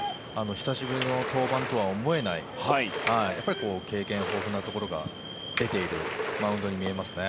久しぶりの登板とは思えない経験豊富なところが出ているマウンドに見えますね。